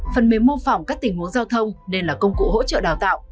phần mềm mô phỏng các tình huống giao thông nên là công cụ hỗ trợ đào tạo